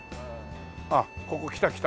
あっここ来た来た。